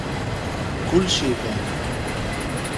Kulec iban.